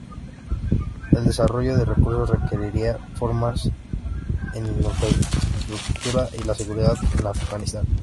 El desarrollo de recursos requeriría mejoras en la infraestructura y la seguridad en Afganistán.